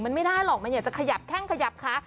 มันไม่ได้หรอกมันอยากจะขยับแข้งขยับขา